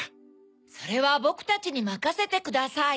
それはぼくたちにまかせてください。